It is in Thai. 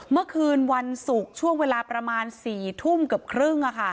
เมื่อคืนวันศุกร์ช่วงเวลาประมาณ๔ทุ่มเกือบครึ่ง